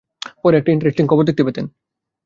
পড়লে একটা ইন্টারেষ্টিং খবর দেখতে পেতেন।